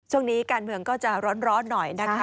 ช่วงนี้การเมืองก็จะร้อนหน่อยนะคะ